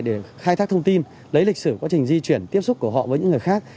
để khai thác thông tin lấy lịch sử quá trình di chuyển tiếp xúc của họ với những người khác